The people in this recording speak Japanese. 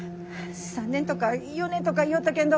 ３年とか４年とかゆうたけんど